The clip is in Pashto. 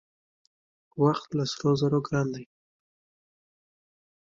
وخت له سرو زرو ګران دی .